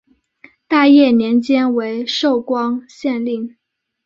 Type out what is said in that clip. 大业年间为寿光县令。